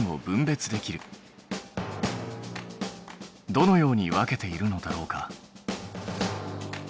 どのように分けているのだろうか？